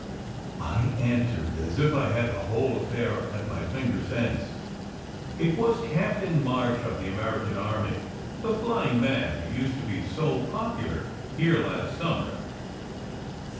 I answered as if I had the whole affair at my fingers ends: "It was Captain March of the American army, the flying man who used to be so popular here last summer."